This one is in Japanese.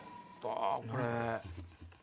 これ！